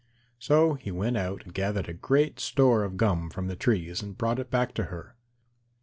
So he went out and gathered a great store of gum from the trees and brought it back to her.